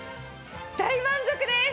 大満足です！